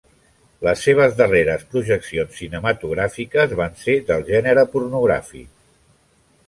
Les seves darreres projeccions cinematogràfiques van ser del gènere pornogràfic.